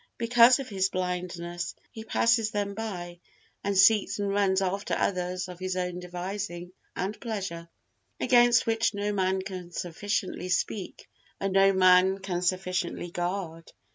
because of his blindness, he passes them by and seeks and runs after others of his own devising and pleasure, against which no man can sufficiently speak and no man can sufficiently guard.